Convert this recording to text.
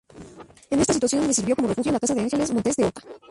En esta situación le sirvió como refugio la casa de Ángeles Montes de Oca.